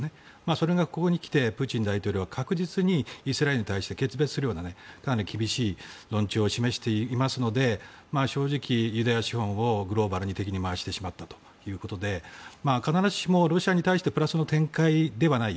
それがここに来てプーチン大統領は確実にイスラエルに対して決別するようなかなり厳しい論調を示していますので正直、ユダヤ資本をグローバル敵に回してしまったということで必ずしもロシアに対してプラスの展開ではない。